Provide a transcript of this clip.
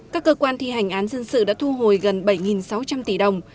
các cơ quan thi hành án dân sự đã thu hồi gần bảy sáu trăm linh tỷ đồng